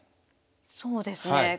そうですね。